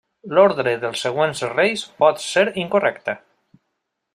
L'ordre dels següents reis pot ser incorrecta.